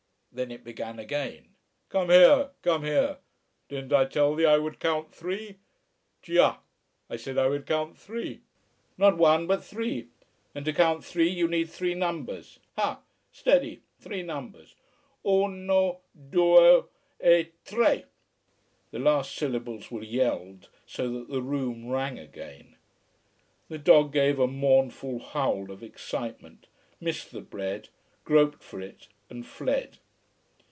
Then it began again. "Come here! Come here! Didn't I tell thee I would count three? Già! I said I would count three. Not one, but three. And to count three you need three numbers. Ha! Steady! Three numbers. Uno due E TRE!" The last syllables were yelled so that the room rang again. The dog gave a mournful howl of excitement, missed the bread, groped for it, and fled.